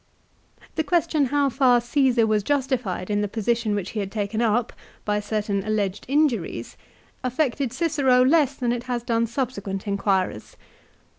The question how far Csesar was justified in the position which he had taken up, by certain alleged injuries, affected Cicero less than it has done subsequent inquirers.